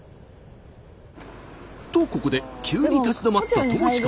とここで急に立ち止まった友近。